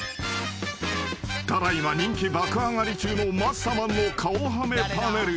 ［ただ今人気爆上がり中のマッサマンの顔はめパネル］